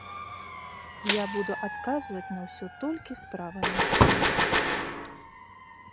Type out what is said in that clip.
Я буду адказваць на ўсё толькі справамі.